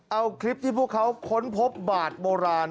เอาคลิปที่พวกเขาค้นพบบาทโบราณ